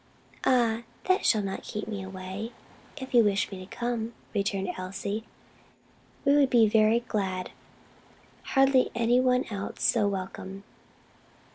"Ah, that shall not keep me away, if you wish me to come," returned Elsie. "We would be very glad; hardly any one else so welcome."